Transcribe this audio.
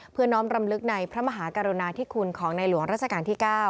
เพื่อน้องปรำลึกในพระมหากรณาธิคุณของนายหลวงราชกาลที่๙